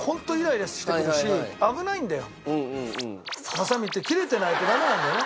ハサミって切れてないとダメなんだよね。